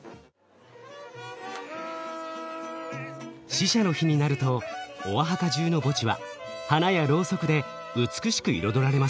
死者の日になるとオアハカ中の墓地は花やロウソクで美しく彩られます。